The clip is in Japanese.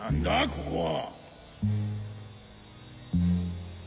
ここは。